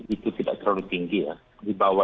itu tidak terlalu tinggi ya